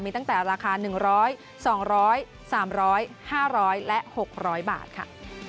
มีตั้งแต่ราคา๑๐๐๒๐๐๓๐๐๕๐๐และ๖๐๐บาทค่ะ